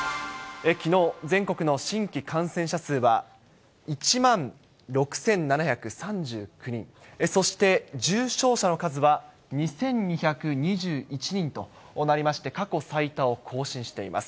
きのう、全国の新規感染者数は１万６７３９人、そして、重症者の数は２２２１人となりまして、過去最多を更新しています。